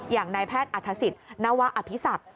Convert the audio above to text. อย่างนายแพทย์อรรถสิทธิ์นวะอภิษัท